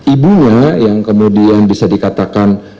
ibunya yang kemudian bisa dikatakan